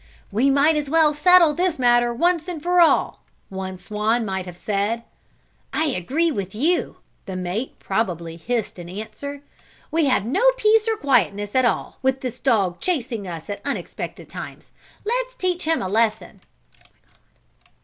"We might as well settle this matter once and for all," one swan might have said. "I agree with you," the mate probably hissed in answer. "We have no peace or quietness at all, with this dog chasing us at unexpected times. Let's teach him a lesson!"